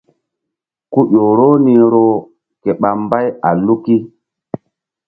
Ku ƴo roh ni roh ke ɓa mbay a luki.